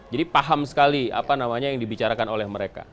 jadi paham sekali apa namanya yang dibicarakan oleh mereka